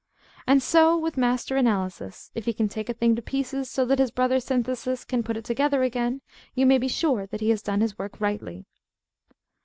And so with Master Analysis. If he can take a thing to pieces so that his brother Synthesis can put it together again, you may be sure that he has done his work rightly.